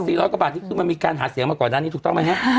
ร้อยกว่าบาทนี่คือมันมีการหาเสียงมาก่อนหน้านี้ถูกต้องไหมฮะ